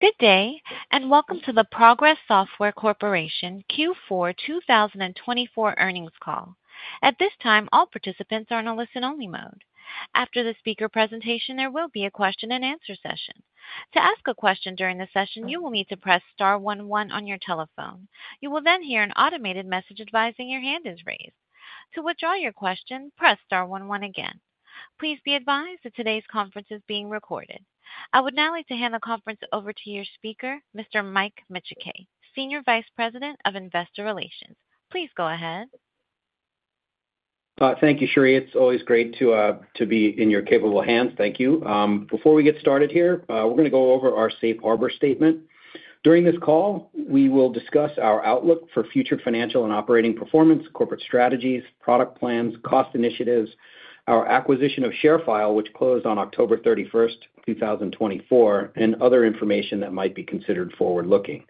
Good day, and welcome to the Progress Software Corporation Q4 2024 earnings call. At this time, all participants are in a listen-only mode. After the speaker presentation, there will be a question-and-answer session. To ask a question during the session, you will need to press star one one on your telephone. You will then hear an automated message advising your hand is raised. To withdraw your question, press star one one again. Please be advised that today's conference is being recorded. I would now like to hand the conference over to your speaker, Mr. Mike Micciche, Senior Vice President of Investor Relations. Please go ahead. Thank you, Sherry. It's always great to be in your capable hands. Thank you. Before we get started here, we're going to go over our Safe Harbor statement. During this call, we will discuss our outlook for future financial and operating performance, corporate strategies, product plans, cost initiatives, our acquisition of ShareFile, which closed on October 31st, 2024, and other information that might be considered forward-looking.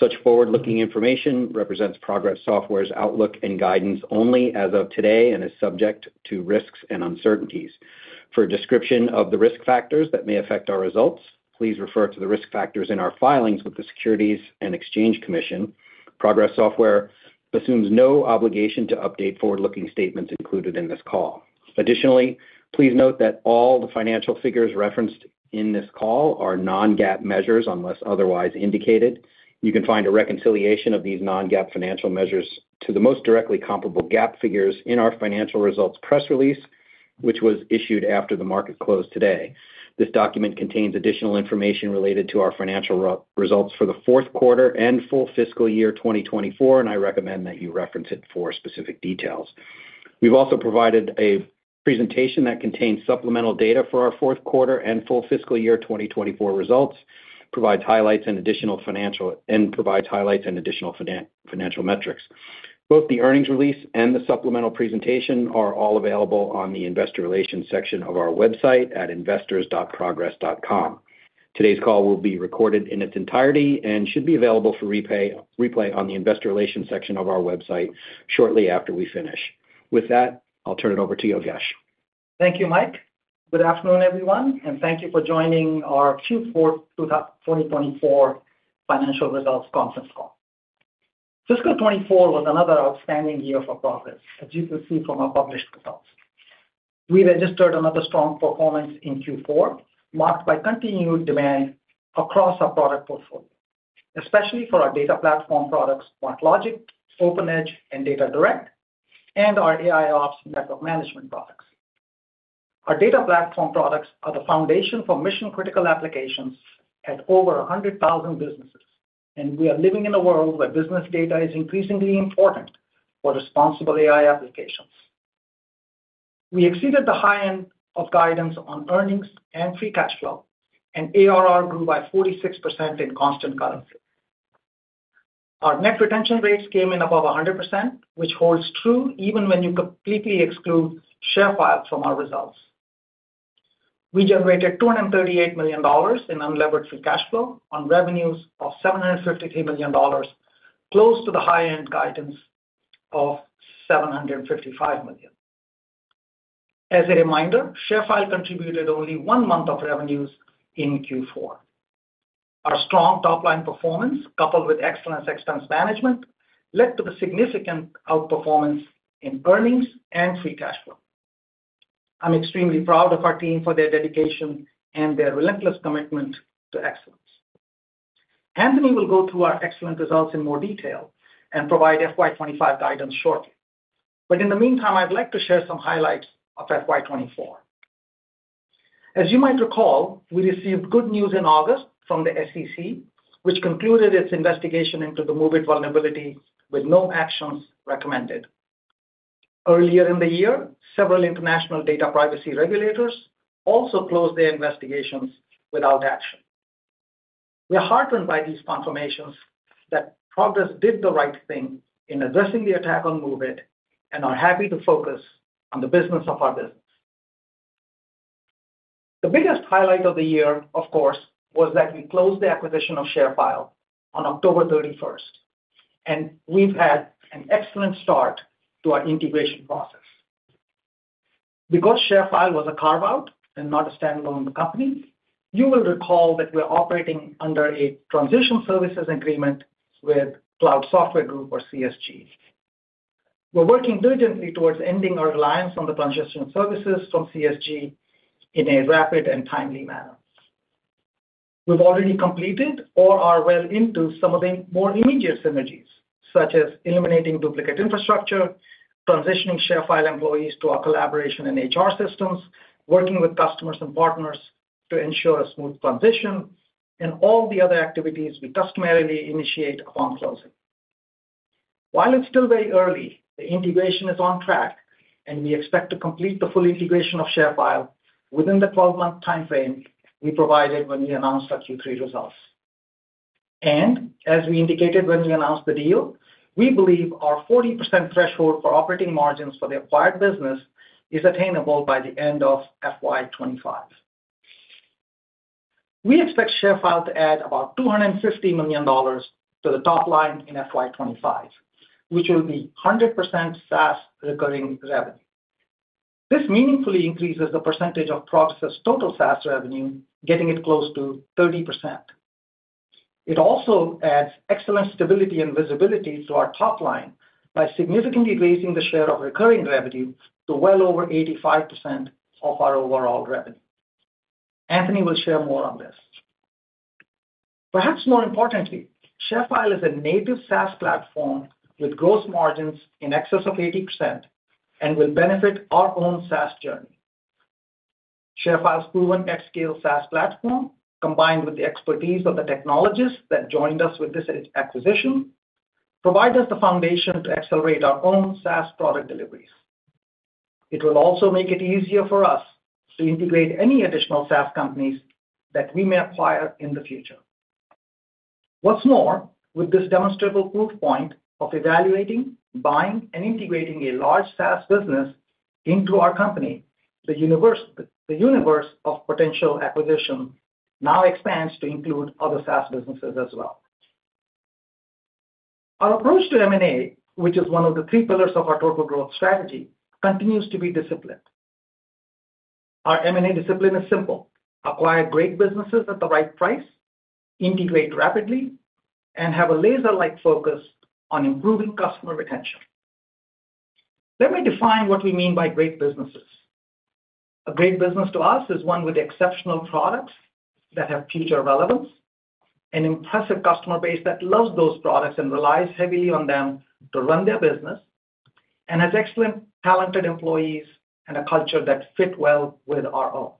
Such forward-looking information represents Progress Software's outlook and guidance only as of today and is subject to risks and uncertainties. For a description of the risk factors that may affect our results, please refer to the risk factors in our filings with the Securities and Exchange Commission. Progress Software assumes no obligation to update forward-looking statements included in this call. Additionally, please note that all the financial figures referenced in this call are non-GAAP measures unless otherwise indicated. You can find a reconciliation of these non-GAAP financial measures to the most directly comparable GAAP figures in our financial results press release, which was issued after the market closed today. This document contains additional information related to our financial results for the fourth quarter and full fiscal year 2024, and I recommend that you reference it for specific details. We've also provided a presentation that contains supplemental data for our fourth quarter and full fiscal year 2024 results, provides highlights and additional financial metrics. Both the earnings release and the supplemental presentation are all available on the Investor Relations section of our website at investors.progress.com. Today's call will be recorded in its entirety and should be available for replay on the Investor Relations section of our website shortly after we finish. With that, I'll turn it over to Yogesh. Thank you, Mike. Good afternoon, everyone, and thank you for joining our Q4 2024 financial results conference call. Fiscal 24 was another outstanding year for Progress, as you can see from our published results. We registered another strong performance in Q4, marked by continued demand across our product portfolio, especially for our data platform products like MarkLogic, OpenEdge, and DataDirect, and our AIOps network management products. Our data platform products are the foundation for mission-critical applications at over 100,000 businesses, and we are living in a world where business data is increasingly important for responsible AI applications. We exceeded the high end of guidance on earnings and free cash flow, and ARR grew by 46% in constant currency. Our net retention rates came in above 100%, which holds true even when you completely exclude ShareFile from our results. We generated $238 million in unlevered free cash flow on revenues of $753 million, close to the high-end guidance of $755 million. As a reminder, ShareFile contributed only one month of revenues in Q4. Our strong top-line performance, coupled with excellent expense management, led to the significant outperformance in earnings and free cash flow. I'm extremely proud of our team for their dedication and their relentless commitment to excellence. Anthony will go through our excellent results in more detail and provide FY 2025 guidance shortly. But in the meantime, I'd like to share some highlights of FY 2024. As you might recall, we received good news in August from the SEC, which concluded its investigation into the MOVEit vulnerability with no actions recommended. Earlier in the year, several international data privacy regulators also closed their investigations without action. We are heartened by these confirmations that Progress did the right thing in addressing the attack on MOVEit and are happy to focus on the business of our business. The biggest highlight of the year, of course, was that we closed the acquisition of ShareFile on October 31st, and we've had an excellent start to our integration process. Because ShareFile was a carve-out and not a standalone company, you will recall that we're operating under a transition services agreement with Cloud Software Group, or CSG. We're working diligently towards ending our reliance on the transition services from CSG in a rapid and timely manner. We've already completed or are well into some of the more immediate synergies, such as eliminating duplicate infrastructure, transitioning ShareFile employees to our collaboration and HR systems, working with customers and partners to ensure a smooth transition, and all the other activities we customarily initiate upon closing. While it's still very early, the integration is on track, and we expect to complete the full integration of ShareFile within the 12-month timeframe we provided when we announced our Q3 results. And as we indicated when we announced the deal, we believe our 40% threshold for operating margins for the acquired business is attainable by the end of FY 2025. We expect ShareFile to add about $250 million to the top line in FY 2025, which will be 100% SaaS recurring revenue. This meaningfully increases the percentage of Progress's total SaaS revenue, getting it close to 30%. It also adds excellent stability and visibility to our top line by significantly raising the share of recurring revenue to well over 85% of our overall revenue. Anthony will share more on this. Perhaps more importantly, ShareFile is a native SaaS platform with gross margins in excess of 80% and will benefit our own SaaS journey. ShareFile's proven at-scale SaaS platform, combined with the expertise of the technologists that joined us with this acquisition, provides us the foundation to accelerate our own SaaS product deliveries. It will also make it easier for us to integrate any additional SaaS companies that we may acquire in the future. What's more, with this demonstrable proof point of evaluating, buying, and integrating a large SaaS business into our company, the universe of potential acquisition now expands to include other SaaS businesses as well. Our approach to M&A, which is one of the three pillars of our total growth strategy, continues to be disciplined. Our M&A discipline is simple: acquire great businesses at the right price, integrate rapidly, and have a laser-like focus on improving customer retention. Let me define what we mean by great businesses. A great business to us is one with exceptional products that have future relevance, an impressive customer base that loves those products and relies heavily on them to run their business, and has excellent, talented employees and a culture that fit well with our own.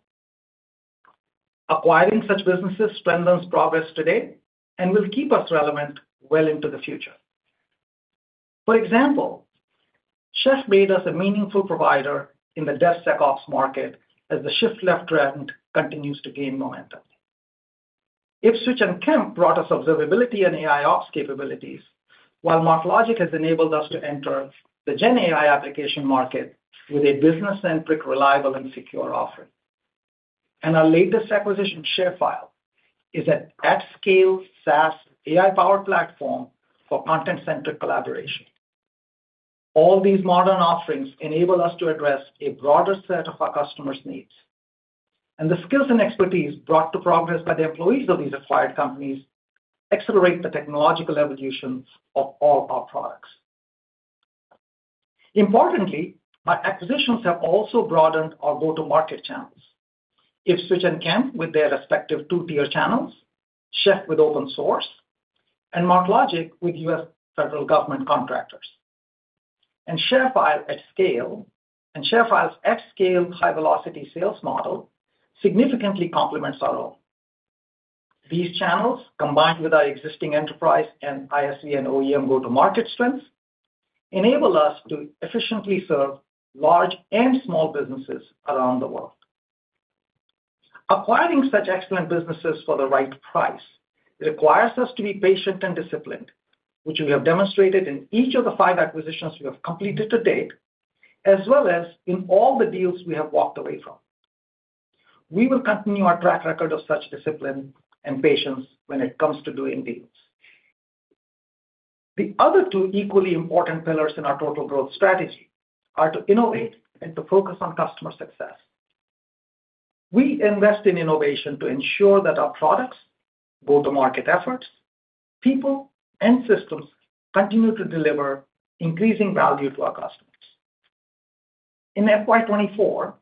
Acquiring such businesses strengthens Progress today and will keep us relevant well into the future. For example, Chef made us a meaningful provider in the DevSecOps market as the shift-left trend continues to gain momentum. Ipswitch and Kemp brought us observability and AIOps capabilities, while MarkLogic has enabled us to enter the GenAI application market with a business-centric, reliable, and secure offering. And our latest acquisition, ShareFile, is an at-scale SaaS AI-powered platform for content-centric collaboration. All these modern offerings enable us to address a broader set of our customers' needs. And the skills and expertise brought to Progress by the employees of these acquired companies accelerate the technological evolution of all our products. Importantly, our acquisitions have also broadened our go-to-market channels: Ipswitch and Kemp with their respective two-tier channels, Chef with open source, and MarkLogic with U.S. federal government contractors. And ShareFile at scale and ShareFile's at-scale high-velocity sales model significantly complements our own. These channels, combined with our existing enterprise and ISV and OEM go-to-market strengths, enable us to efficiently serve large and small businesses around the world. Acquiring such excellent businesses for the right price requires us to be patient and disciplined, which we have demonstrated in each of the five acquisitions we have completed to date, as well as in all the deals we have walked away from. We will continue our track record of such discipline and patience when it comes to doing deals. The other two equally important pillars in our total growth strategy are to innovate and to focus on customer success. We invest in innovation to ensure that our products, go-to-market efforts, people, and systems continue to deliver increasing value to our customers. In FY 2024,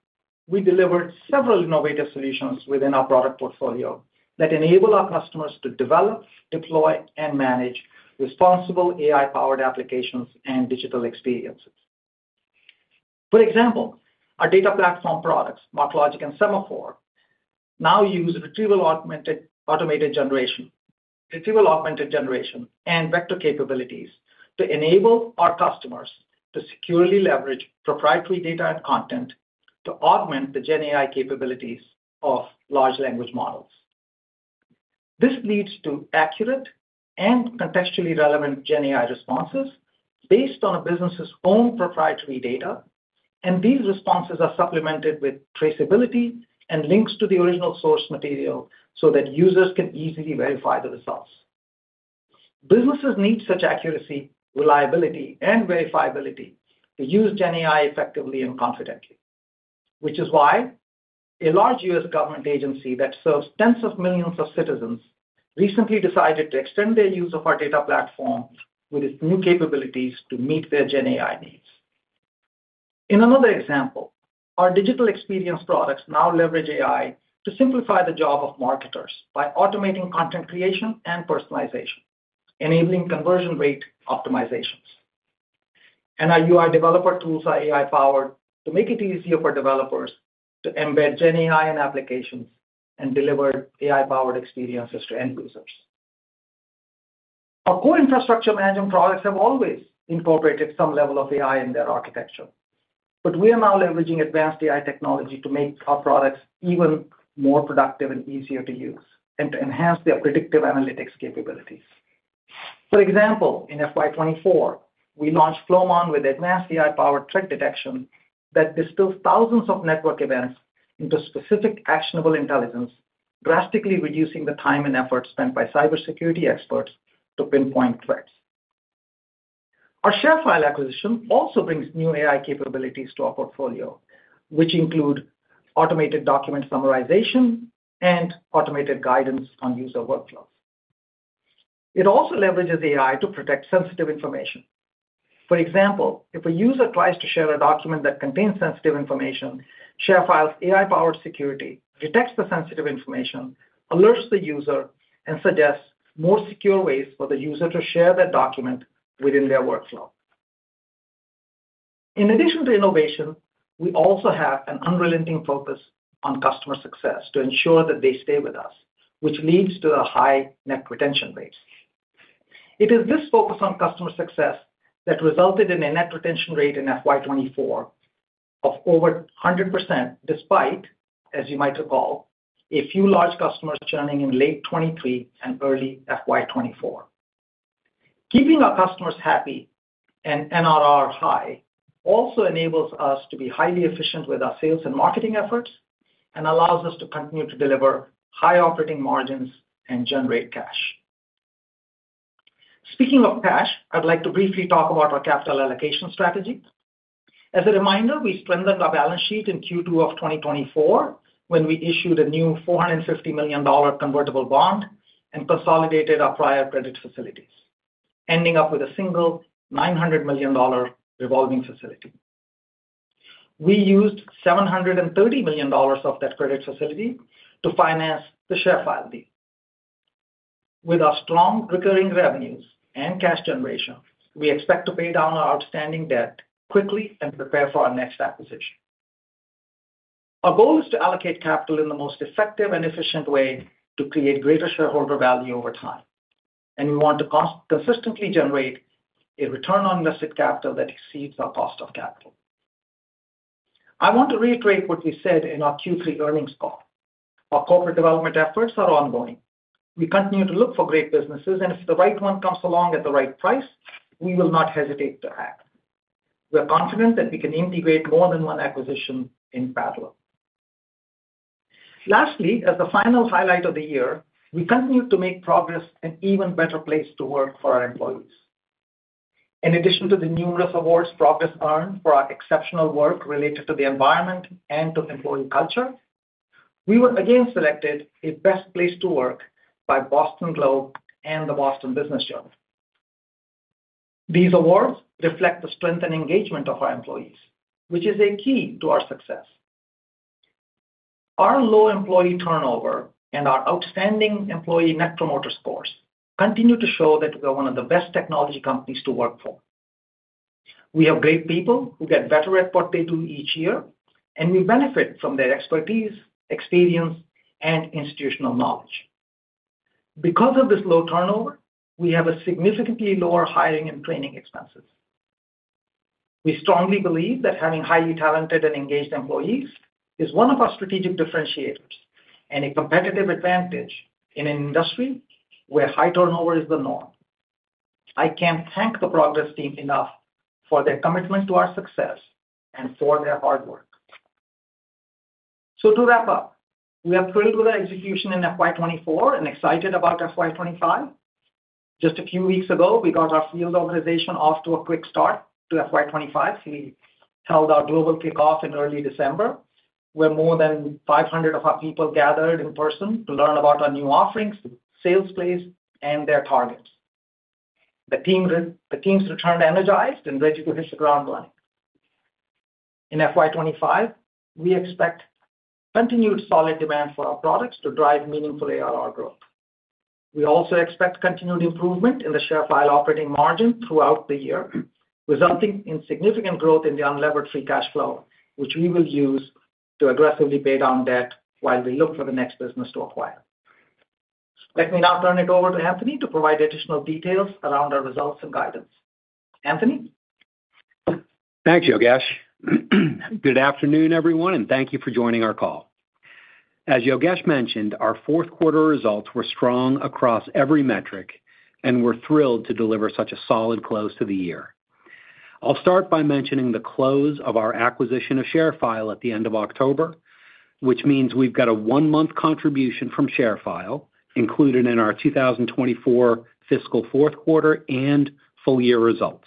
we delivered several innovative solutions within our product portfolio that enable our customers to develop, deploy, and manage responsible AI-powered applications and digital experiences. For example, our data platform products, MarkLogic and Semaphore, now use retrieval-augmented generation and vector capabilities to enable our customers to securely leverage proprietary data and content to augment the GenAI capabilities of large language models. This leads to accurate and contextually relevant GenAI responses based on a business's own proprietary data, and these responses are supplemented with traceability and links to the original source material so that users can easily verify the results. Businesses need such accuracy, reliability, and verifiability to use GenAI effectively and confidently, which is why a large U.S. government agency that serves tens of millions of citizens recently decided to extend their use of our data platform with its new capabilities to meet their GenAI needs. In another example, our digital experience products now leverage AI to simplify the job of marketers by automating content creation and personalization, enabling conversion rate optimizations. And our UI developer tools are AI-powered to make it easier for developers to embed GenAI in applications and deliver AI-powered experiences to end users. Our core infrastructure management products have always incorporated some level of AI in their architecture, but we are now leveraging advanced AI technology to make our products even more productive and easier to use and to enhance their predictive analytics capabilities. For example, in FY 2024, we launched Flowmon with advanced AI-powered threat detection that distills thousands of network events into specific actionable intelligence, drastically reducing the time and effort spent by cybersecurity experts to pinpoint threats. Our ShareFile acquisition also brings new AI capabilities to our portfolio, which include automated document summarization and automated guidance on user workflows. It also leverages AI to protect sensitive information. For example, if a user tries to share a document that contains sensitive information, ShareFile's AI-powered security detects the sensitive information, alerts the user, and suggests more secure ways for the user to share that document within their workflow. In addition to innovation, we also have an unrelenting focus on customer success to ensure that they stay with us, which leads to the high net retention rates. It is this focus on customer success that resulted in a net retention rate in FY 2024 of over 100% despite, as you might recall, a few large customers turning in late 2023 and early FY 2024. Keeping our customers happy and NRR high also enables us to be highly efficient with our sales and marketing efforts and allows us to continue to deliver high operating margins and generate cash. Speaking of cash, I'd like to briefly talk about our capital allocation strategy. As a reminder, we strengthened our balance sheet in Q2 of 2024 when we issued a new $450 million convertible bond and consolidated our prior credit facilities, ending up with a single $900 million revolving facility. We used $730 million of that credit facility to finance the ShareFile deal. With our strong recurring revenues and cash generation, we expect to pay down our outstanding debt quickly and prepare for our next acquisition. Our goal is to allocate capital in the most effective and efficient way to create greater shareholder value over time, and we want to consistently generate a return on invested capital that exceeds our cost of capital. I want to reiterate what we said in our Q3 earnings call. Our corporate development efforts are ongoing. We continue to look for great businesses, and if the right one comes along at the right price, we will not hesitate to act. We are confident that we can integrate more than one acquisition in parallel. Lastly, as the final highlight of the year, we continue to make Progress an even better place to work for our employees. In addition to the numerous awards Progress earned for our exceptional work related to the environment and to employee culture, we were again selected as a Best Place to Work by Boston Globe and the Boston Business Journal. These awards reflect the strength and engagement of our employees, which is a key to our success. Our low employee turnover and our outstanding Employee Net Promoter Scores continue to show that we are one of the best technology companies to work for. We have great people who get better at what they do each year, and we benefit from their expertise, experience, and institutional knowledge. Because of this low turnover, we have significantly lower hiring and training expenses. We strongly believe that having highly talented and engaged employees is one of our strategic differentiators and a competitive advantage in an industry where high turnover is the norm. I can't thank the Progress team enough for their commitment to our success and for their hard work. So to wrap up, we are thrilled with our execution in FY 2024 and excited about FY 2025. Just a few weeks ago, we got our field organization off to a quick start to FY 2025. We held our global kickoff in early December, where more than 500 of our people gathered in person to learn about our new offerings, sales plays, and their targets. The teams returned energized and ready to hit the ground running. In FY 2025, we expect continued solid demand for our products to drive meaningful ARR growth. We also expect continued improvement in the ShareFile operating margin throughout the year, resulting in significant growth in the unlevered free cash flow, which we will use to aggressively pay down debt while we look for the next business to acquire. Let me now turn it over to Anthony to provide additional details around our results and guidance. Anthony? Thanks, Yogesh. Good afternoon, everyone, and thank you for joining our call. As Yogesh mentioned, our fourth quarter results were strong across every metric, and we're thrilled to deliver such a solid close to the year. I'll start by mentioning the close of our acquisition of ShareFile at the end of October, which means we've got a one-month contribution from ShareFile included in our 2024 fiscal fourth quarter and full year results.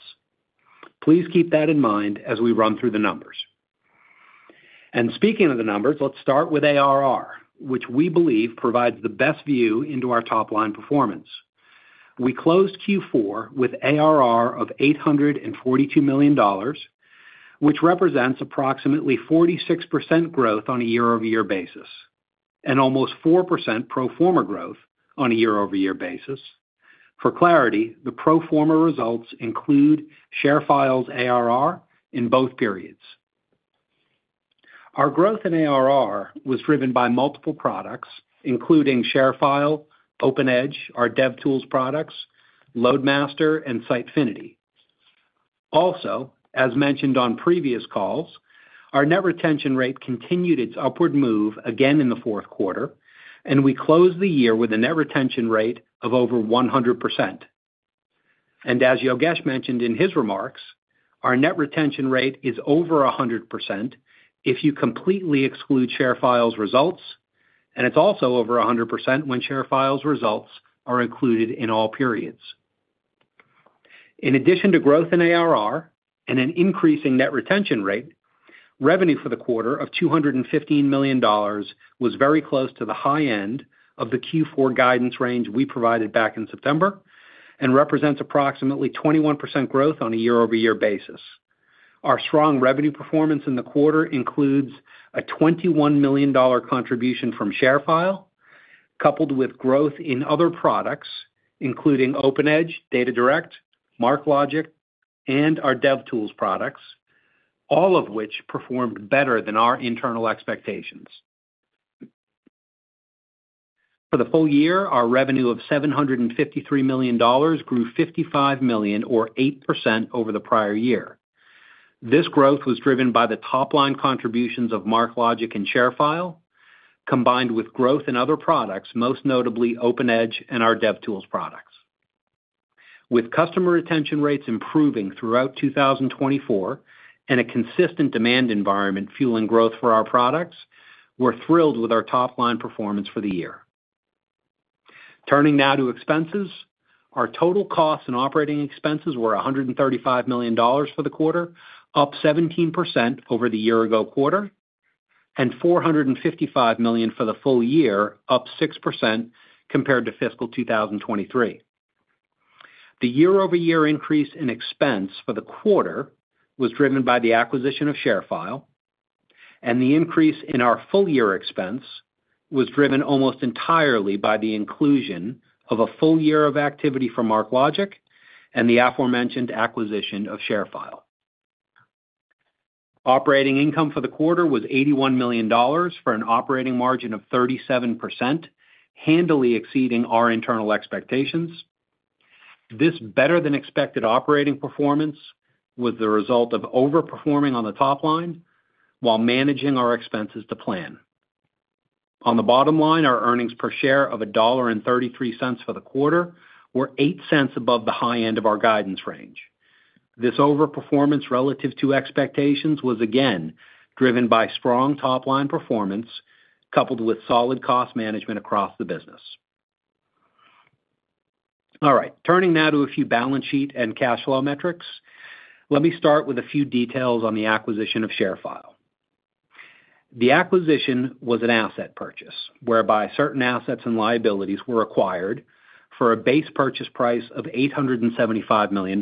Please keep that in mind as we run through the numbers, and speaking of the numbers, let's start with ARR, which we believe provides the best view into our top-line performance. We closed Q4 with ARR of $842 million, which represents approximately 46% growth on a year-over-year basis and almost 4% pro forma growth on a year-over-year basis. For clarity, the pro forma results include ShareFile's ARR in both periods. Our growth in ARR was driven by multiple products, including ShareFile, OpenEdge, our DevTools products, LoadMaster, and Sitefinity. Also, as mentioned on previous calls, our net retention rate continued its upward move again in the fourth quarter, and we closed the year with a net retention rate of over 100%. And as Yogesh mentioned in his remarks, our net retention rate is over 100% if you completely exclude ShareFile's results, and it's also over 100% when ShareFile's results are included in all periods. In addition to growth in ARR and an increasing net retention rate, revenue for the quarter of $215 million was very close to the high end of the Q4 guidance range we provided back in September and represents approximately 21% growth on a year-over-year basis. Our strong revenue performance in the quarter includes a $21 million contribution from ShareFile, coupled with growth in other products, including OpenEdge, DataDirect, MarkLogic, and our DevTools products, all of which performed better than our internal expectations. For the full year, our revenue of $753 million grew $55 million, or 8%, over the prior year. This growth was driven by the top-line contributions of MarkLogic and ShareFile, combined with growth in other products, most notably OpenEdge and our DevTools products. With customer retention rates improving throughout 2024 and a consistent demand environment fueling growth for our products, we're thrilled with our top-line performance for the year. Turning now to expenses, our total costs and operating expenses were $135 million for the quarter, up 17% over the year-ago quarter, and $455 million for the full year, up 6% compared to fiscal 2023. The year-over-year increase in expense for the quarter was driven by the acquisition of ShareFile, and the increase in our full year expense was driven almost entirely by the inclusion of a full year of activity for MarkLogic and the aforementioned acquisition of ShareFile. Operating income for the quarter was $81 million for an operating margin of 37%, handily exceeding our internal expectations. This better-than-expected operating performance was the result of overperforming on the top line while managing our expenses to plan. On the bottom line, our earnings per share of $1.33 for the quarter were $0.08 above the high end of our guidance range. This overperformance relative to expectations was, again, driven by strong top-line performance coupled with solid cost management across the business. All right, turning now to a few balance sheet and cash flow metrics, let me start with a few details on the acquisition of ShareFile. The acquisition was an asset purchase whereby certain assets and liabilities were acquired for a base purchase price of $875 million,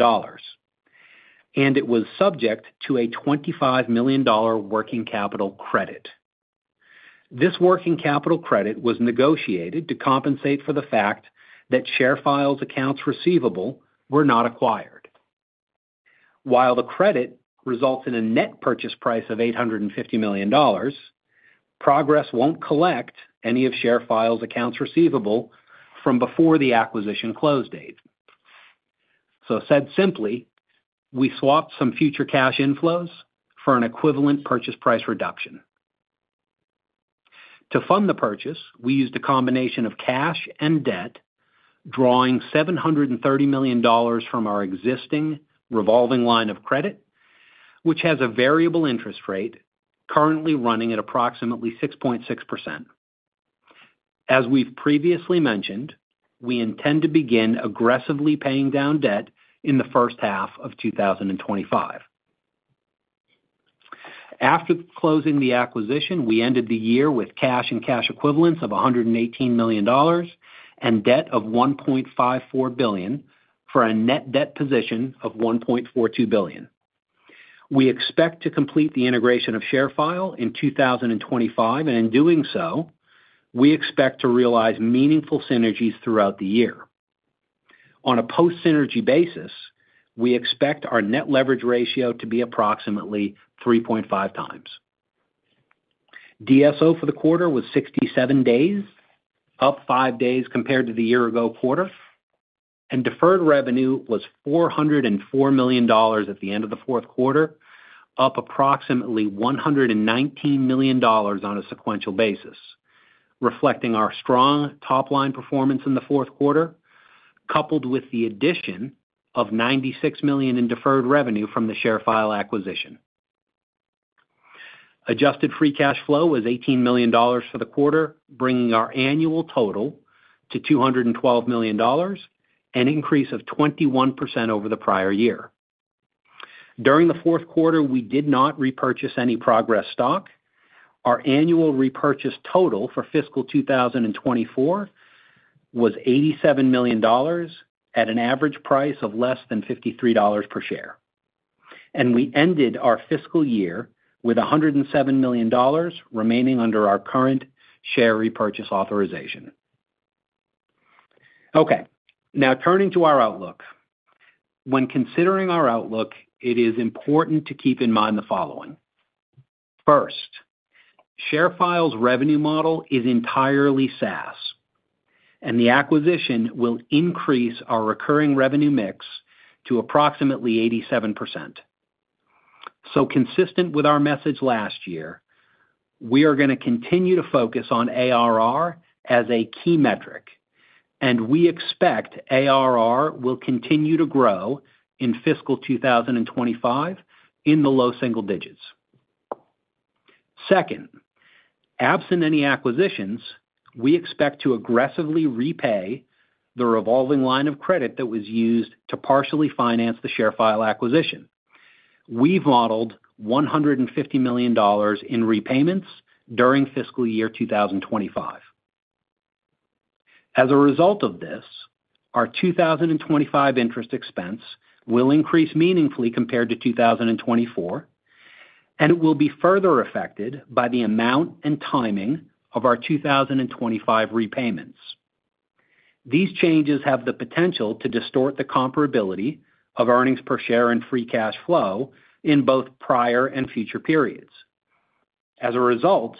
and it was subject to a $25 million working capital credit. This working capital credit was negotiated to compensate for the fact that ShareFile's accounts receivable were not acquired. While the credit results in a net purchase price of $850 million, Progress won't collect any of ShareFile's accounts receivable from before the acquisition close date. So said simply, we swapped some future cash inflows for an equivalent purchase price reduction. To fund the purchase, we used a combination of cash and debt, drawing $730 million from our existing revolving line of credit, which has a variable interest rate currently running at approximately 6.6%. As we've previously mentioned, we intend to begin aggressively paying down debt in the first half of 2025. After closing the acquisition, we ended the year with cash and cash equivalents of $118 million and debt of $1.54 billion for a net debt position of $1.42 billion. We expect to complete the integration of ShareFile in 2025, and in doing so, we expect to realize meaningful synergies throughout the year. On a post-synergy basis, we expect our net leverage ratio to be approximately 3.5 times. DSO for the quarter was 67 days, up five days compared to the year-ago quarter, and deferred revenue was $404 million at the end of the fourth quarter, up approximately $119 million on a sequential basis, reflecting our strong top-line performance in the fourth quarter, coupled with the addition of $96 million in deferred revenue from the ShareFile acquisition. Adjusted free cash flow was $18 million for the quarter, bringing our annual total to $212 million, an increase of 21% over the prior year. During the fourth quarter, we did not repurchase any Progress stock. Our annual repurchase total for fiscal 2024 was $87 million at an average price of less than $53 per share, and we ended our fiscal year with $107 million remaining under our current share repurchase authorization. Okay, now turning to our outlook. When considering our outlook, it is important to keep in mind the following. First, ShareFile's revenue model is entirely SaaS, and the acquisition will increase our recurring revenue mix to approximately 87%. So consistent with our message last year, we are going to continue to focus on ARR as a key metric, and we expect ARR will continue to grow in fiscal 2025 in the low single digits. Second, absent any acquisitions, we expect to aggressively repay the revolving line of credit that was used to partially finance the ShareFile acquisition. We've modeled $150 million in repayments during fiscal year 2025. As a result of this, our 2025 interest expense will increase meaningfully compared to 2024, and it will be further affected by the amount and timing of our 2025 repayments. These changes have the potential to distort the comparability of earnings per share and free cash flow in both prior and future periods. As a result,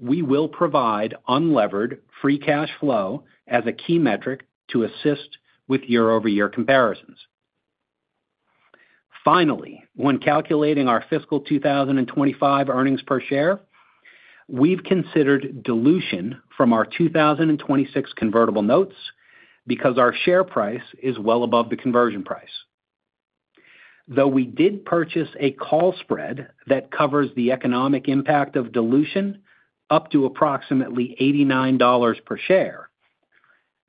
we will provide unlevered free cash flow as a key metric to assist with year-over-year comparisons. Finally, when calculating our fiscal 2025 earnings per share, we've considered dilution from our 2026 convertible notes because our share price is well above the conversion price. Though we did purchase a call spread that covers the economic impact of dilution up to approximately $89 per share,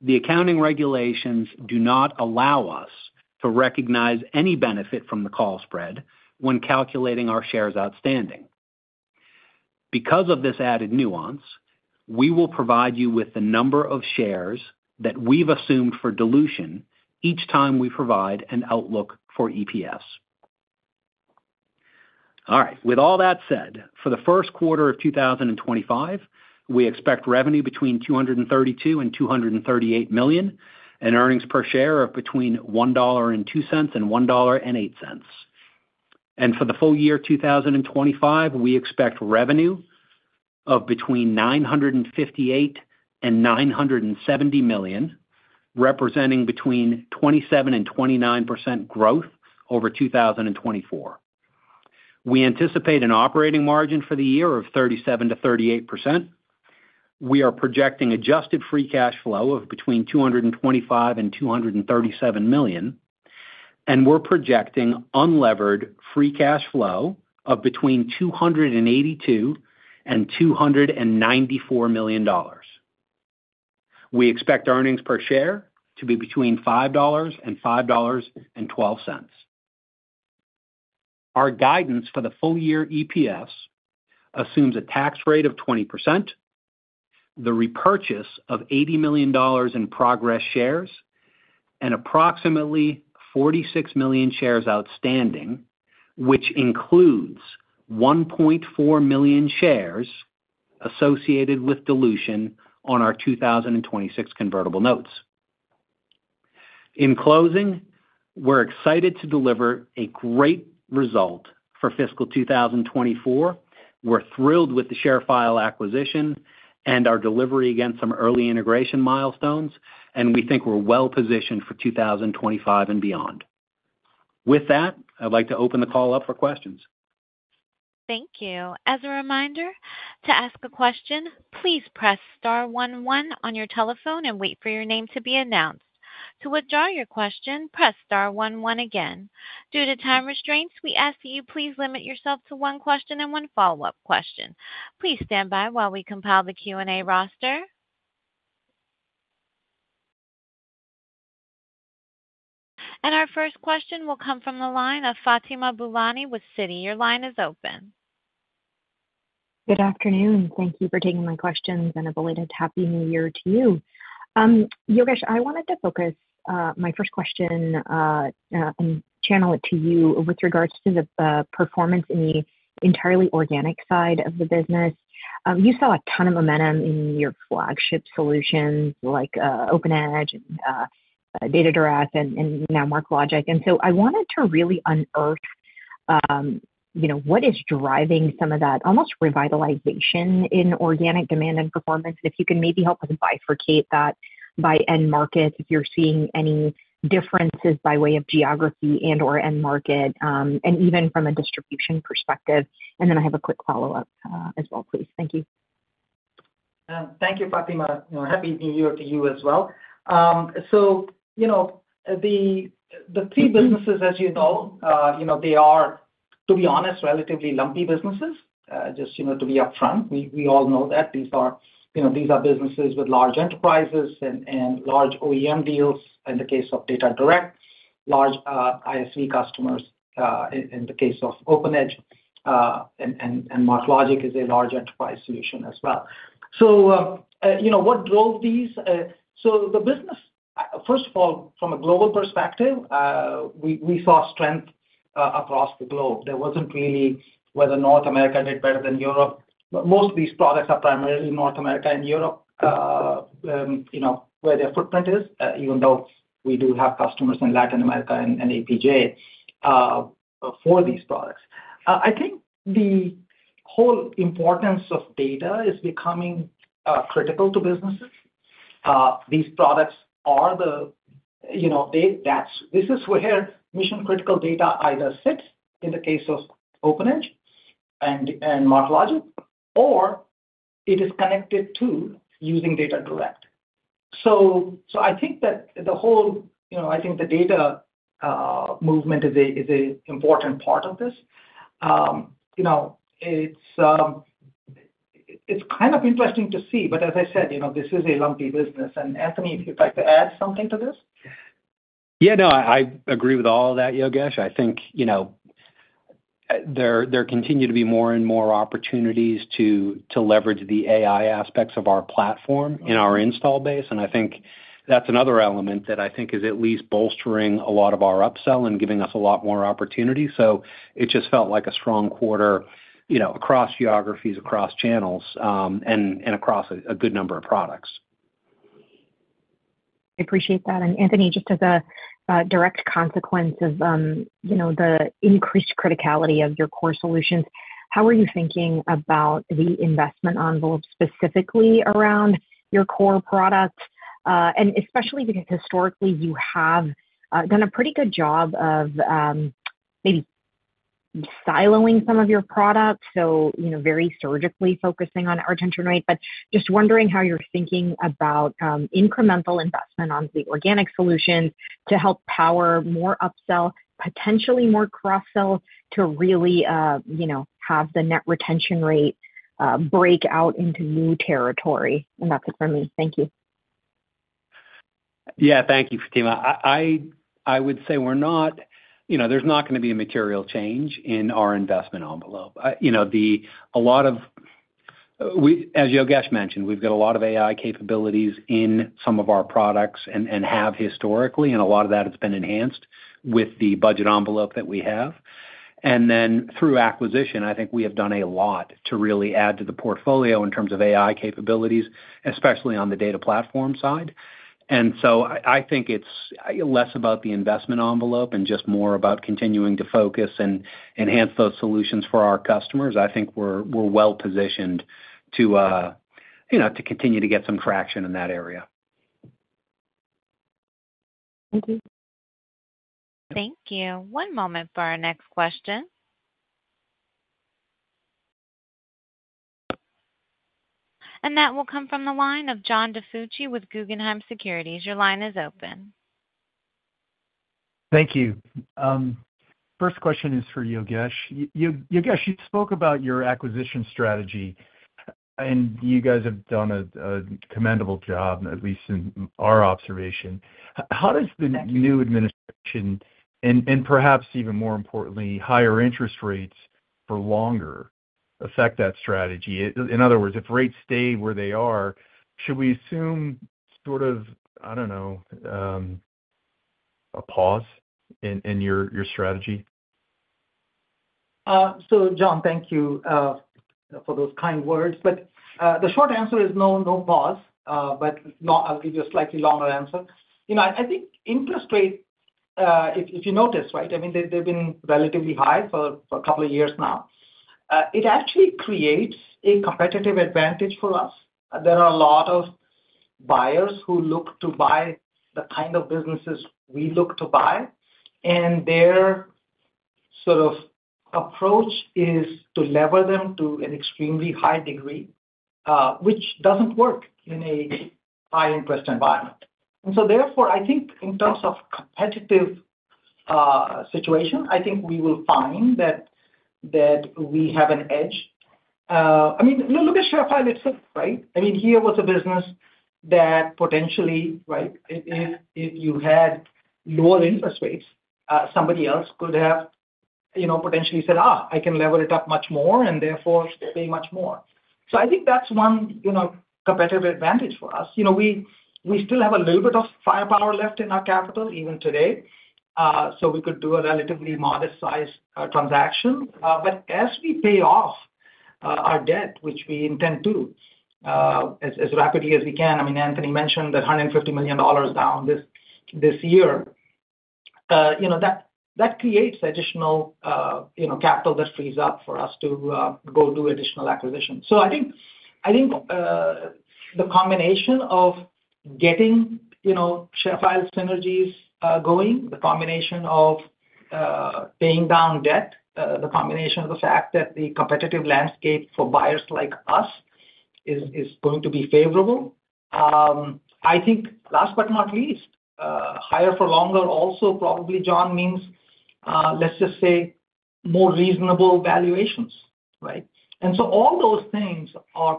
the accounting regulations do not allow us to recognize any benefit from the call spread when calculating our shares outstanding. Because of this added nuance, we will provide you with the number of shares that we've assumed for dilution each time we provide an outlook for EPS. All right, with all that said, for the first quarter of 2025, we expect revenue between $232 million-$238 million, and earnings per share of between $1.02-$1.08. And for the full year 2025, we expect revenue of between $958 million-$970 million, representing between 27%-29% growth over 2024. We anticipate an operating margin for the year of 37%-38%. We are projecting adjusted free cash flow of between $225 million-$237 million, and we're projecting unlevered free cash flow of between $282 million-$294 million. We expect earnings per share to be between $5-$5.12. Our guidance for the full year EPS assumes a tax rate of 20%, the repurchase of $80 million in Progress shares, and approximately 46 million shares outstanding, which includes 1.4 million shares associated with dilution on our 2026 convertible notes. In closing, we're excited to deliver a great result for fiscal 2024. We're thrilled with the ShareFile acquisition and our delivery against some early integration milestones, and we think we're well-positioned for 2025 and beyond. With that, I'd like to open the call up for questions. Thank you. As a reminder, to ask a question, please press star one one on your telephone and wait for your name to be announced. To withdraw your question, press star one one again. Due to time restraints, we ask that you please limit yourself to one question and one follow-up question. Please stand by while we compile the Q&A roster. Our first question will come from the line of Fatima Boolani with Citi. Your line is open. Good afternoon. Thank you for taking my questions, and I believe a Happy New Year to you. Yogesh, I wanted to focus my first question and channel it to you with regards to the performance in the entirely organic side of the business. You saw a ton of momentum in your flagship solutions like OpenEdge and DataDirect and now MarkLogic. So I wanted to really unearth what is driving some of that almost revitalization in organic demand and performance, and if you can maybe help us bifurcate that by end markets, if you're seeing any differences by way of geography and/or end market, and even from a distribution perspective. Then I have a quick follow-up as well, please. Thank you. Thank you, Fatima. Happy New Year to you as well. So the three businesses, as you know, they are, to be honest, relatively lumpy businesses, just to be upfront. We all know that. These are businesses with large enterprises and large OEM deals in the case of DataDirect, large ISV customers in the case of OpenEdge, and MarkLogic is a large enterprise solution as well. So what drove these? So the business, first of all, from a global perspective, we saw strength across the globe. There wasn't really whether North America did better than Europe. Most of these products are primarily North America and Europe where their footprint is, even though we do have customers in Latin America and APJ for these products. I think the whole importance of data is becoming critical to businesses. These products are the—this is where mission-critical data either sits in the case of OpenEdge and MarkLogic, or it is connected to using DataDirect. So I think that the whole—I think the data movement is an important part of this. It's kind of interesting to see, but as I said, this is a lumpy business. And Anthony, if you'd like to add something to this. Yeah, no, I agree with all of that, Yogesh. I think there continue to be more and more opportunities to leverage the AI aspects of our platform in our install base. And I think that's another element that I think is at least bolstering a lot of our upsell and giving us a lot more opportunity. So it just felt like a strong quarter across geographies, across channels, and across a good number of products. I appreciate that. And Anthony, just as a direct consequence of the increased criticality of your core solutions, how are you thinking about the investment envelope specifically around your core products? And especially because historically, you have done a pretty good job of maybe siloing some of your products, so very surgically focusing on our retention rate. But just wondering how you're thinking about incremental investment on the organic solutions to help power more upsell, potentially more cross-sell to really have the net retention rate break out into new territory. And that's it for me. Thank you. Yeah, thank you, Fatima. I would say we're not, there's not going to be a material change in our investment envelope. A lot of, as Yogesh mentioned, we've got a lot of AI capabilities in some of our products and have historically, and a lot of that has been enhanced with the budget envelope that we have. And then through acquisition, I think we have done a lot to really add to the portfolio in terms of AI capabilities, especially on the data platform side. And so I think it's less about the investment envelope and just more about continuing to focus and enhance those solutions for our customers. I think we're well-positioned to continue to get some traction in that area. Thank you. Thank you. One moment for our next question. And that will come from the line of John DiFucci with Guggenheim Securities. Your line is open. Thank you. First question is for Yogesh. Yogesh, you spoke about your acquisition strategy, and you guys have done a commendable job, at least in our observation. How does the new administration and perhaps even more importantly, higher interest rates for longer affect that strategy? In other words, if rates stay where they are, should we assume sort of, I don't know, a pause in your strategy? So, John, thank you for those kind words. But the short answer is no, no pause. But I'll give you a slightly longer answer. I think interest rate, if you notice, right, I mean, they've been relatively high for a couple of years now. It actually creates a competitive advantage for us. There are a lot of buyers who look to buy the kind of businesses we look to buy, and their sort of approach is to lever them to an extremely high degree, which doesn't work in a high-interest environment. And so therefore, I think in terms of competitive situation, I think we will find that we have an edge. I mean, look at ShareFile itself, right? I mean, here was a business that potentially, right, if you had lower interest rates, somebody else could have potentially said, I can lever it up much more and therefore pay much more. So I think that's one competitive advantage for us. We still have a little bit of firepower left in our capital even today, so we could do a relatively modest-sized transaction. But as we pay off our debt, which we intend to as rapidly as we can, I mean, Anthony mentioned that $150 million down this year, that creates additional capital that frees up for us to go do additional acquisitions. So I think the combination of getting ShareFile synergies going, the combination of paying down debt, the combination of the fact that the competitive landscape for buyers like us is going to be favorable. I think last but not least, higher for longer also probably, John, means, let's just say, more reasonable valuations, right? And so all those things are, I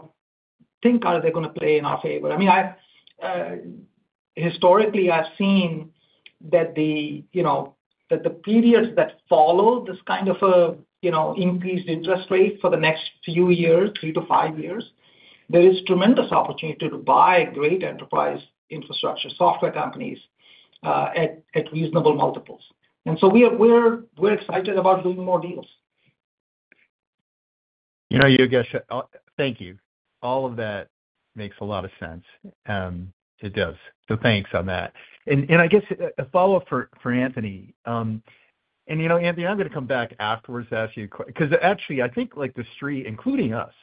think, they're going to play in our favor. I mean, historically, I've seen that the periods that follow this kind of increased interest rate for the next few years, three to five years, there is tremendous opportunity to buy great enterprise infrastructure software companies at reasonable multiples. And so we're excited about doing more deals. Yogesh, thank you. All of that makes a lot of sense. It does. So thanks on that. And I guess a follow-up for Anthony. And Anthony, I'm going to come back afterwards to ask you a question because actually, I think the street, including us,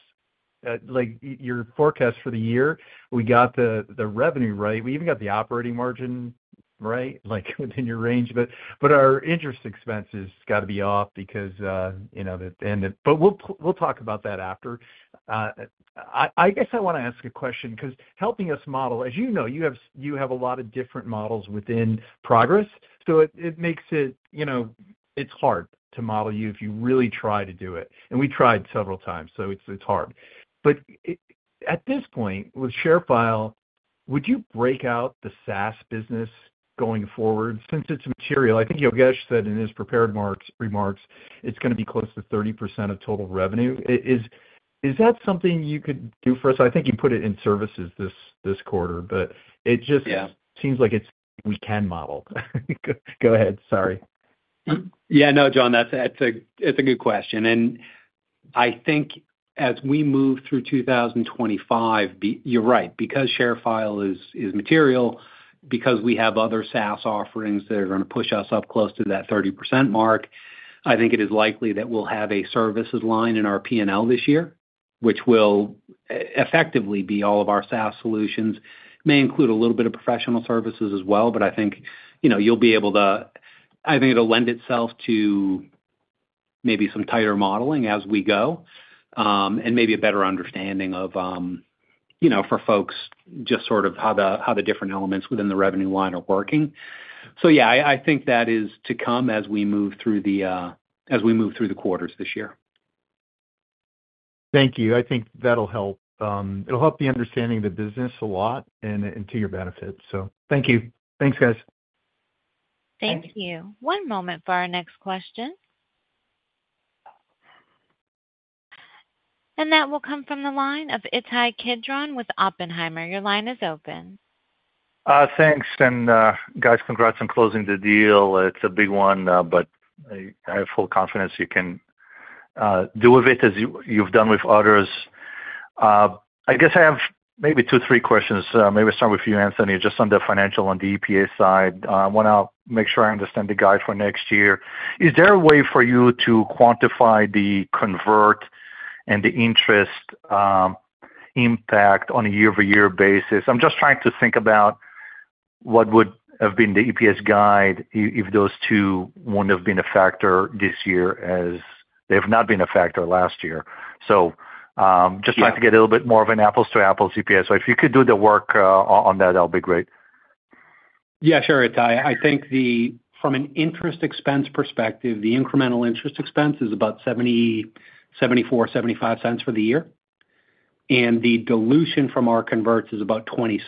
your forecast for the year, we got the revenue right. We even got the operating margin right within your range. But our interest expense has got to be off because, and but we'll talk about that after. I guess I want to ask a question because helping us model, as you know, you have a lot of different models within Progress. So it makes it, it's hard to model you if you really try to do it. And we tried several times, so it's hard. But at this point, with ShareFile, would you break out the SaaS business going forward since it's material? I think Yogesh said in his prepared remarks it's going to be close to 30% of total revenue. Is that something you could do for us? I think you put it in services this quarter, but it just seems like it's something we can model. Go ahead. Sorry. Yeah. No, John, that's a good question. And I think as we move through 2025, you're right, because ShareFile is material, because we have other SaaS offerings that are going to push us up close to that 30% mark. I think it is likely that we'll have a services line in our P&L this year, which will effectively be all of our SaaS solutions. May include a little bit of professional services as well, but I think you'll be able to. I think it'll lend itself to maybe some tighter modeling as we go and maybe a better understanding of for folks just sort of how the different elements within the revenue line are working. So yeah, I think that is to come as we move through the quarters this year. Thank you. I think that'll help. It'll help the understanding of the business a lot and to your benefit. So thank you. Thanks, guys. Thank you. One moment for our next question. And that will come from the line of Ittai Kidron with Oppenheimer. Your line is open. Thanks. And guys, congrats on closing the deal. It's a big one, but I have full confidence you can do with it as you've done with others. I guess I have maybe two, three questions. Maybe start with you, Anthony, just on the financials on the EPS side. I want to make sure I understand the guide for next year. Is there a way for you to quantify the convert and the interest impact on a year-over-year basis? I'm just trying to think about what would have been the EPS guide if those two wouldn't have been a factor this year as they have not been a factor last year. So just trying to get a little bit more of an apples-to-apples EPS. So if you could do the work on that, that'll be great. Yeah, sure. It's high. I think from an interest expense perspective, the incremental interest expense is about $0.74-$0.75 for the year. And the dilution from our converts is about $0.20.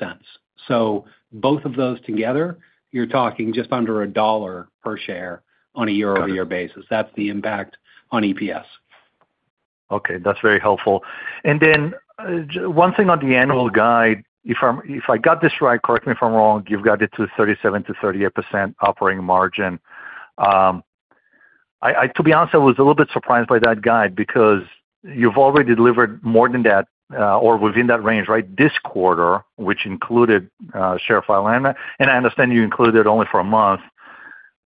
So both of those together, you're talking just under $1 per share on a year-over-year basis. That's the impact on EPS. Okay. That's very helpful. And then one thing on the annual guide, if I got this right, correct me if I'm wrong, you've got it to 37%-38% operating margin. To be honest, I was a little bit surprised by that guide because you've already delivered more than that or within that range, right, this quarter, which included ShareFile and I understand you included it only for a month.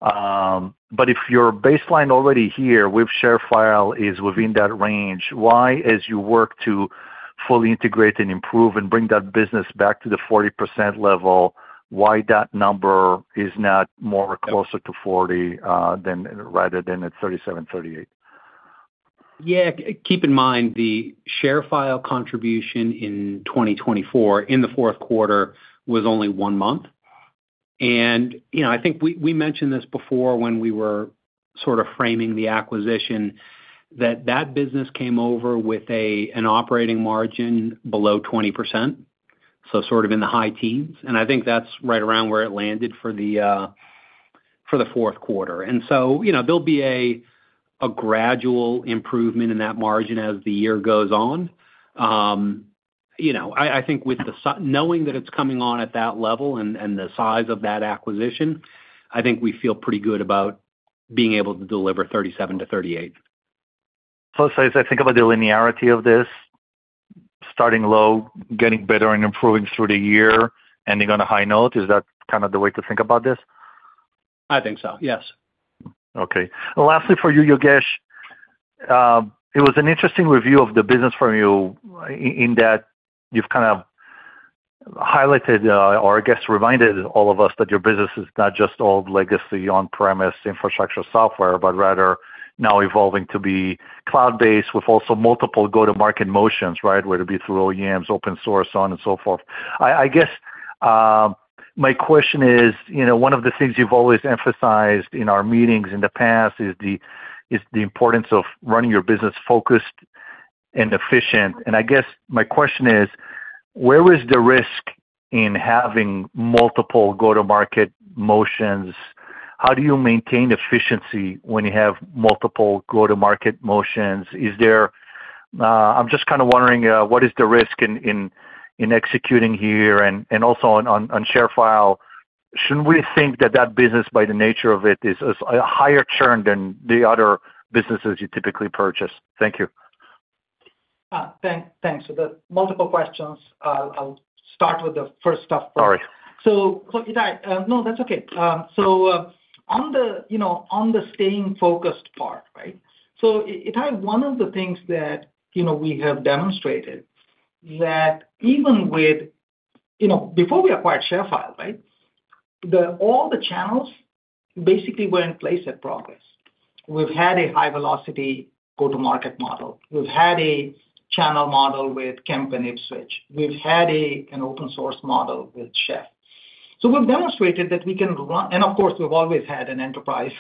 But if your baseline already here with ShareFile is within that range, why, as you work to fully integrate and improve and bring that business back to the 40% level, why that number is not more closer to 40% rather than at 37%-38%? Yeah. Keep in mind the ShareFile contribution in 2024 in the fourth quarter was only one month. And I think we mentioned this before when we were sort of framing the acquisition that that business came over with an operating margin below 20%, so sort of in the high teens. And I think that's right around where it landed for the fourth quarter. And so there'll be a gradual improvement in that margin as the year goes on. I think with the knowing that it's coming on at that level and the size of that acquisition, I think we feel pretty good about being able to deliver 37 to 38. So as I think about the linearity of this, starting low, getting better and improving through the year, ending on a high note, is that kind of the way to think about this? I think so. Yes. Okay. Lastly for you, Yogesh, it was an interesting review of the business from you in that you've kind of highlighted or, I guess, reminded all of us that your business is not just old legacy on-premises infrastructure software, but rather now evolving to be cloud-based with also multiple go-to-market motions, right, whether it be through OEMs, open source, so on and so forth. I guess my question is, one of the things you've always emphasized in our meetings in the past is the importance of running your business focused and efficient. And I guess my question is, where is the risk in having multiple go-to-market motions? How do you maintain efficiency when you have multiple go-to-market motions? I'm just kind of wondering, what is the risk in executing here? And also on ShareFile, shouldn't we think that that business, by the nature of it, is a higher churn than the other businesses you typically purchase? Thank you. Thanks. With the multiple questions, I'll start with the first stuff first. Sorry. So Ittai, no, that's okay. So on the staying focused part, right? So Ittai, one of the things that we have demonstrated is that even with before we acquired ShareFile, right, all the channels basically were in place at Progress. We've had a high-velocity go-to-market model. We've had a channel model with Kemp and Ipswitch. We've had an open-source model with Chef. So we've demonstrated that we can run, and of course, we've always had an enterprise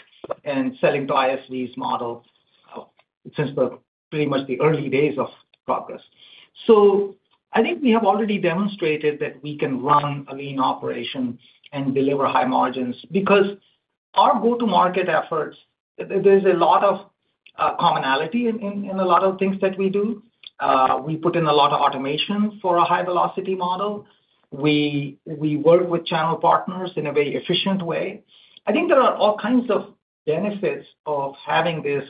and selling to ISVs model since pretty much the early days of Progress. So I think we have already demonstrated that we can run a lean operation and deliver high margins because our go-to-market efforts, there's a lot of commonality in a lot of things that we do. We put in a lot of automation for a high-velocity model. We work with channel partners in a very efficient way. I think there are all kinds of benefits of having this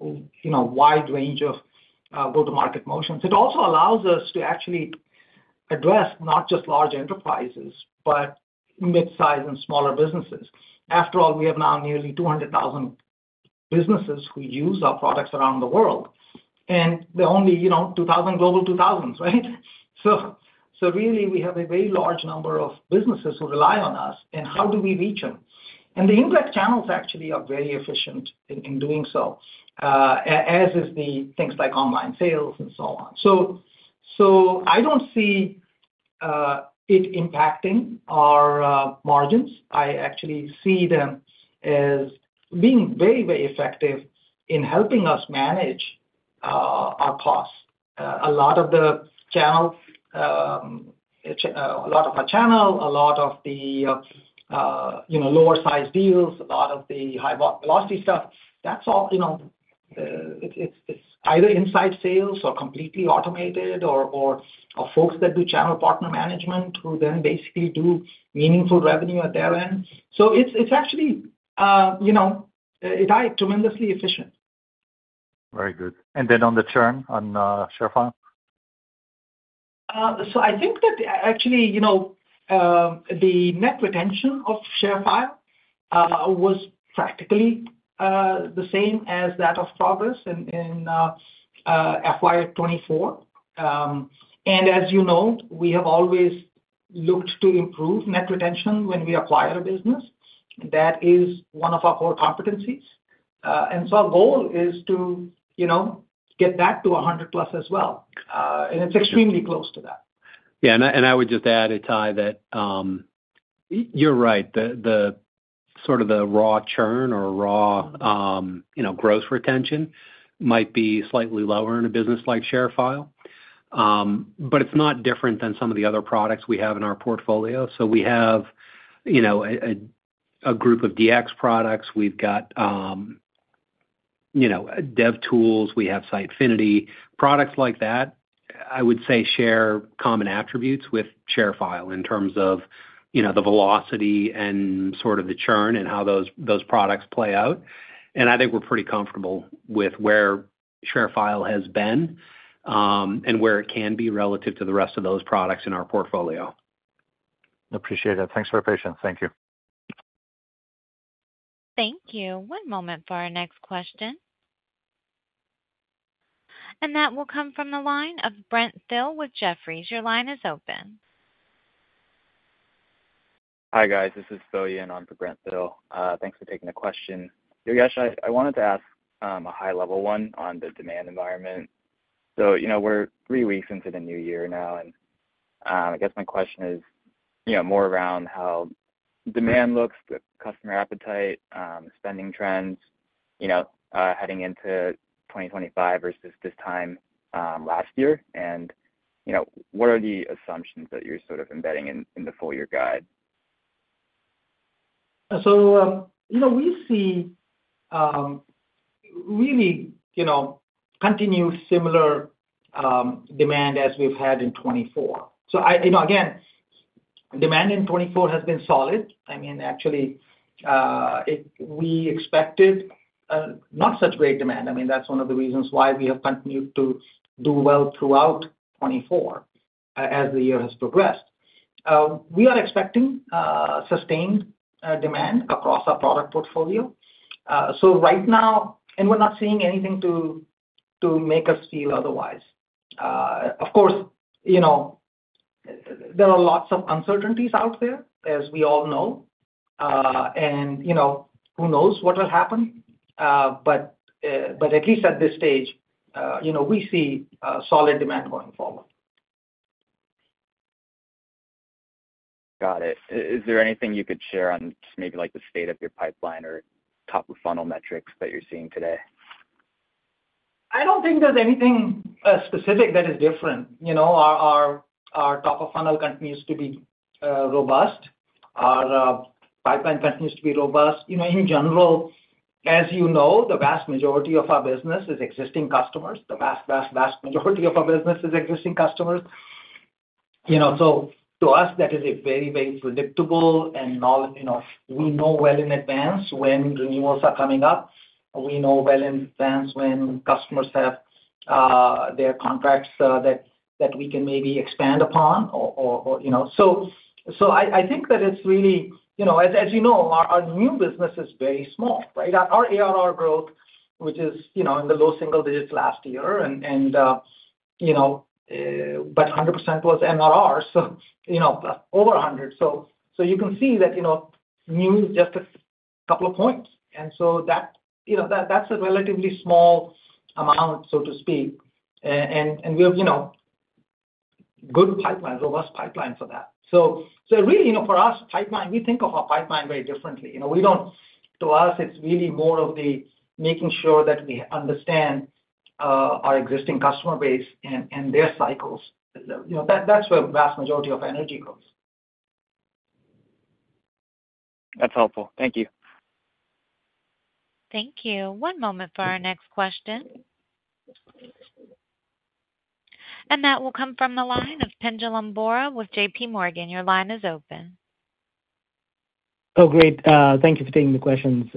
wide range of go-to-market motions. It also allows us to actually address not just large enterprises, but mid-size and smaller businesses. After all, we have now nearly 200,000 businesses who use our products around the world, and they're only 2,000 Global 2000s, right? So really, we have a very large number of businesses who rely on us, and how do we reach them? And the indirect channels actually are very efficient in doing so, as are things like online sales and so on. So I don't see it impacting our margins. I actually see them as being very, very effective in helping us manage our costs. A lot of the channel, a lot of our channel, a lot of the lower-sized deals, a lot of the high-velocity stuff, that's all either inside sales or completely automated or folks that do channel partner management who then basically do meaningful revenue at their end. So it's actually, Ittai, tremendously efficient. Very good. And then on the churn on ShareFile? So I think that actually the net retention of ShareFile was practically the same as that of Progress in FY 2024. And as you know, we have always looked to improve net retention when we acquire a business. That is one of our core competencies. And so our goal is to get that to 100+ as well. And it's extremely close to that. Yeah. And I would just add, Ittai, that you're right. Sort of the raw churn or raw gross retention might be slightly lower in a business like ShareFile, but it's not different than some of the other products we have in our portfolio. So we have a group of DX products. We've got dev tools. We have Sitefinity. Products like that, I would say, share common attributes with ShareFile in terms of the velocity and sort of the churn and how those products play out. And I think we're pretty comfortable with where ShareFile has been and where it can be relative to the rest of those products in our portfolio. Appreciate it. Thanks for your patience. Thank you. Thank you. One moment for our next question. And that will come from the line of Brent Thill with Jefferies. Your line is open. Hi, guys. This is Bill Yuen on for Brent Thill. Thanks for taking the question. Yogesh, I wanted to ask a high-level one on the demand environment. So we're three weeks into the new year now, and I guess my question is more around how demand looks, customer appetite, spending trends heading into 2025 versus this time last year, and what are the assumptions that you're sort of embedding in the full-year guide? So we see really continued similar demand as we've had in 2024. Again, demand in 2024 has been solid. I mean, actually, we expected not such great demand. I mean, that's one of the reasons why we have continued to do well throughout 2024 as the year has progressed. We are expecting sustained demand across our product portfolio. So right now, and we're not seeing anything to make us feel otherwise. Of course, there are lots of uncertainties out there, as we all know, and who knows what will happen. But at least at this stage, we see solid demand going forward. Got it. Is there anything you could share on just maybe the state of your pipeline or top-of-funnel metrics that you're seeing today? I don't think there's anything specific that is different. Our top-of-funnel continues to be robust. Our pipeline continues to be robust. In general, as you know, the vast majority of our business is existing customers. The vast, vast, vast majority of our business is existing customers. To us, that is a very, very predictable and we know well in advance when renewals are coming up. We know well in advance when customers have their contracts that we can maybe expand upon or so. I think that it's really, as you know, our new business is very small, right? Our ARR growth, which is in the low single digits last year, but 100% was NRR, so over 100%. You can see that new is just a couple of points. That's a relatively small amount, so to speak. We have good pipeline, robust pipeline for that. For us, pipeline, we think of our pipeline very differently. To us, it's really more of the making sure that we understand our existing customer base and their cycles. That's where the vast majority of energy goes. That's helpful. Thank you. Thank you. One moment for our next question. That will come from the line of Pinjalim Bora with JPMorgan. Your line is open. Oh, great. Thank you for taking the questions.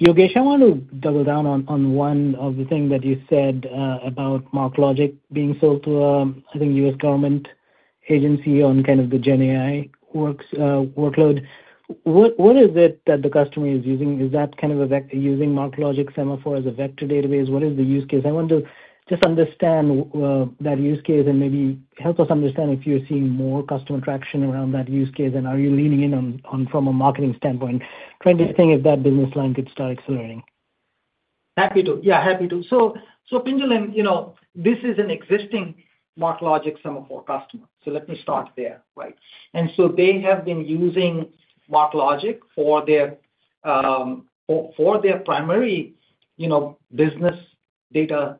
Yogesh, I want to double down on one of the things that you said about MarkLogic being sold to a, I think, U.S. government agency on kind of the GenAI workload. What is it that the customer is using? Is that kind of using MarkLogic Semaphore as a vector database? What is the use case? I want to just understand that use case and maybe help us understand if you're seeing more customer traction around that use case, and are you leaning in from a marketing standpoint? Trying to think if that business line could start accelerating. Happy to. Yeah, happy to. Pinjalim, this is an existing MarkLogic Semaphore customer. So let me start there, right? And so they have been using MarkLogic for their primary business data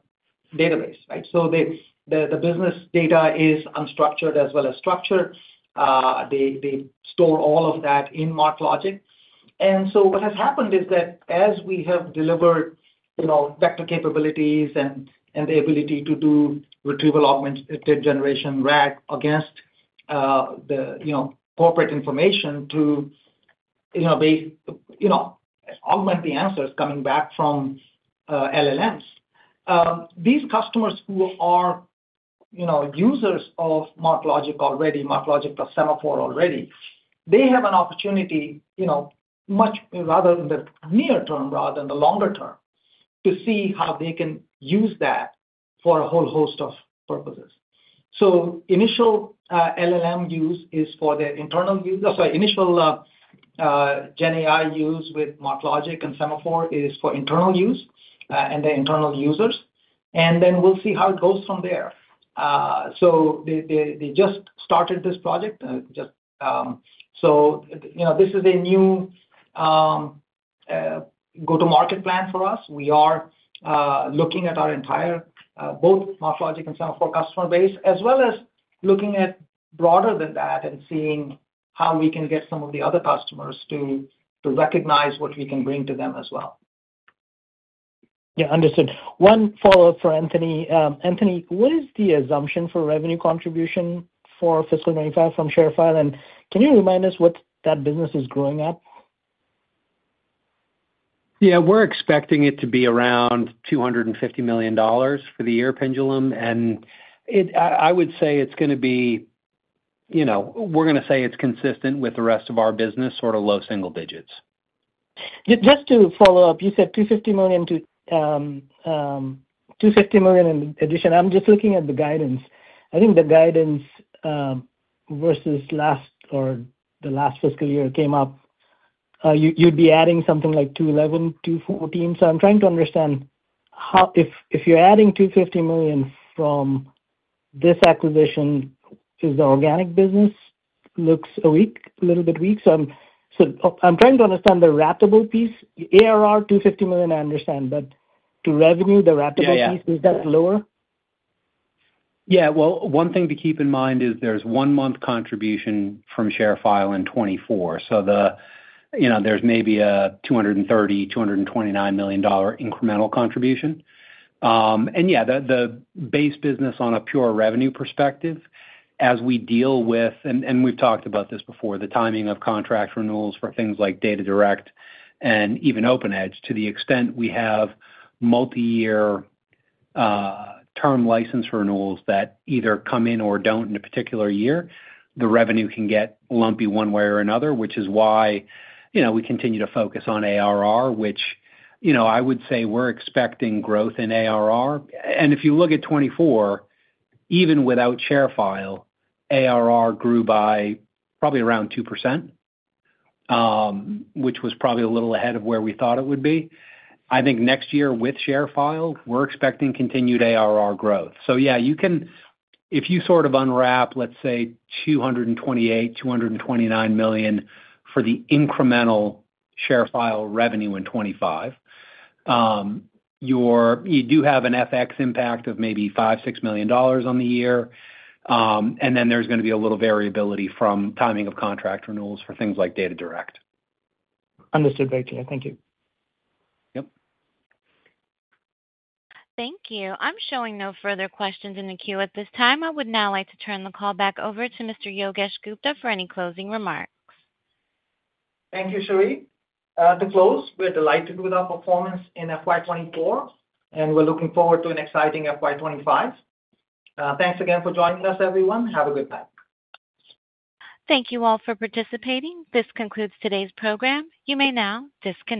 database, right? So the business data is unstructured as well as structured. They store all of that in MarkLogic. And so what has happened is that as we have delivered vector capabilities and the ability to do retrieval augmented generation RAG against the corporate information to augment the answers coming back from LLMs, these customers who are users of MarkLogic already, MarkLogic Semaphore already, they have an opportunity much rather in the near term rather than the longer term to see how they can use that for a whole host of purposes. So initial LLM use is for their internal use sorry, initial GenAI use with MarkLogic and Semaphore is for internal use and their internal users. Then we'll see how it goes from there. So they just started this project. So this is a new go-to-market plan for us. We are looking at our entire both MarkLogic and Semaphore customer base as well as looking at broader than that and seeing how we can get some of the other customers to recognize what we can bring to them as well. Yeah, understood. One follow-up for Anthony. Anthony, what is the assumption for revenue contribution for fiscal 2025 from ShareFile? And can you remind us what that business is growing at? Yeah, we're expecting it to be around $250 million for the year, Pinjalim. And I would say it's going to be we're going to say it's consistent with the rest of our business, sort of low single digits. Just to follow up, you said 250 million in addition. I'm just looking at the guidance. I think the guidance versus last year or the last fiscal year came up. You'd be adding something like $211-$214. So I'm trying to understand if you're adding $250 million from this acquisition, is the organic business looks weak, a little bit weak? So I'm trying to understand the ratable piece. ARR, $250 million, I understand. But to revenue, the ratable piece, is that lower? Yeah. Well, one thing to keep in mind is there's one-month contribution from ShareFile in 2024. So there's maybe a $229 million-$230 million incremental contribution. And yeah, the base business on a pure revenue perspective, as we deal with, and we've talked about this before, the timing of contract renewals for things like DataDirect and even OpenEdge, to the extent we have multi-year term license renewals that either come in or don't in a particular year, the revenue can get lumpy one way or another, which is why we continue to focus on ARR, which I would say we're expecting growth in ARR. And if you look at 2024, even without ShareFile, ARR grew by probably around 2%, which was probably a little ahead of where we thought it would be. I think next year with ShareFile, we're expecting continued ARR growth. So yeah, if you sort of unwrap, let's say, $228 million-$229 million for the incremental ShareFile revenue in 2025, you do have an FX impact of maybe $5 million-$6 million on the year. And then there's going to be a little variability from timing of contract renewals for things like DataDirect. Understood, Anthony. Thank you. Yep. Thank you. I'm showing no further questions in the queue at this time. I would now like to turn the call back over to Mr. Yogesh Gupta for any closing remarks. Thank you, Sherry. To close, we're delighted with our performance in FY 2024, and we're looking forward to an exciting FY 2025. Thanks again for joining us, everyone. Have a good night. Thank you all for participating. This concludes today's program. You may now disconnect.